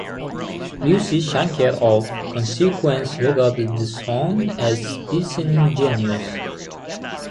Lucy Shanker of "Consequence" regarded the song as "disingenuous".